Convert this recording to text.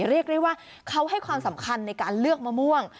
เรียกได้ว่าเขาให้ความสำคัญในการเลือกมะม่วง